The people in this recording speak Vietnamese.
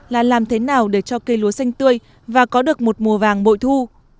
là làm thế nào để cho cây lúa xanh tươi và có được một mùa vàng bội thu